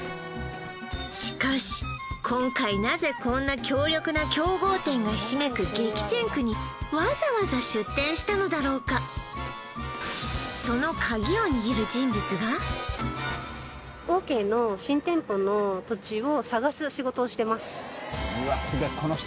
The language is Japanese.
しかし今回なぜこんな強力な競合店がひしめく激戦区にわざわざ出店したのだろうかそのオーケーの新店舗の土地を探す仕事をしてます